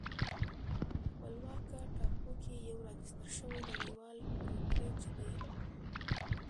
خپلواکه ټاپو کې یو راجستر شوی نړیوال بروکریج دی